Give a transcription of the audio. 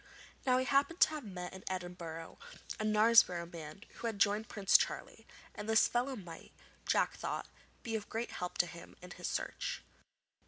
Now he happened to have met in Edinburgh a Knaresborough man who had joined Prince Charlie, and this fellow might, Jack thought, be of great help to him in his search.